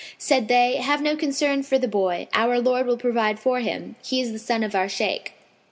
Said they, "Have no concern for the boy, our Lord will provide for him: he is the son of our Shaykh."